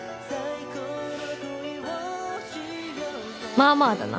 まあまあだな